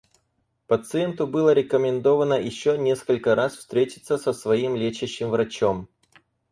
Пациенту было рекомендовано ещё несколько раз встретиться со своим лечащим врачом.